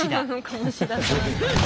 鴨志田さん。